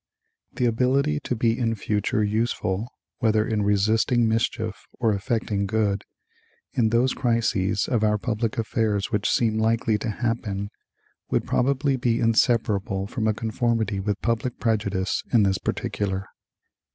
The ability to be in future useful, whether in resisting mischief or effecting good, in those crises of our public affairs which seem likely to happen would probably be inseparable from a conformity with public prejudice in this particular."